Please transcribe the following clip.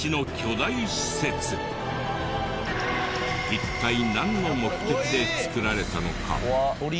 一体なんの目的で作られたのか？